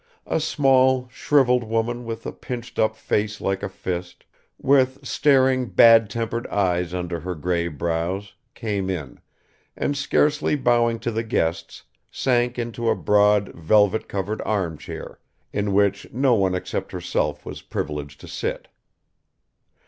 a small shriveled woman with a pinched up face like a fist, with staring bad tempered eyes under her grey brows, came in, and scarcely bowing to the guests, sank into a broad velvet covered armchair, in which no one except herself was privileged to sit.